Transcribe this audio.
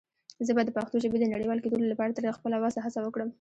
زه به دَ پښتو ژبې د نړيوال کيدلو لپاره تر خپله وسه هڅه وکړم.